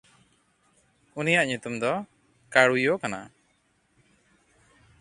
ᱩᱱᱤᱭᱟᱜ ᱧᱩᱛᱩᱢ ᱫᱚ ᱠᱟᱲᱩᱭᱚ ᱠᱟᱱᱟ᱾